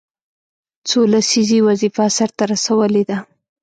څو لسیزې یې وظیفه سرته رسولې ده.